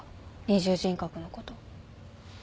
二重人格のこと。